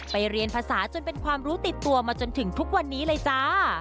เรียนภาษาจนเป็นความรู้ติดตัวมาจนถึงทุกวันนี้เลยจ้า